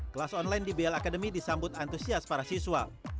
kelas online dbl academy disambut antusias para siswa